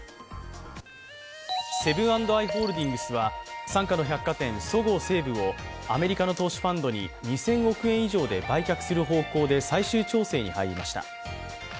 セブン＆アイ・ホールディングスは傘下の百貨店そごう・西武をアメリカの投資ファンドに２０００億円以上で売却する方向で最終調整に入りました。